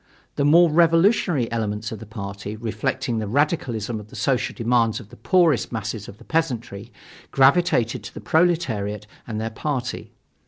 The more revolutionary elements of the party, reflecting the radicalism of the social demands of the poorest masses of the peasantry, gravitated to the proletariat and their party.